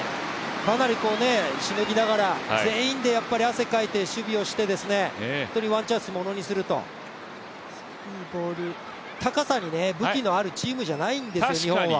かなりしのぎながら、全員で汗をかいて、守備をして本当にワンチャンス、ものにすると高さに武器のあるチームじゃないんですよ、日本は。